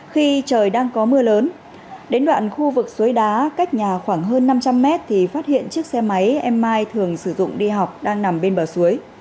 khi trời đang có mưa lớn đến đoạn khu vực suối đá cách nhà khoảng hơn năm trăm linh mét thì phát hiện chiếc xe máy em mai thường sử dụng đi học đang nằm bên bờ suối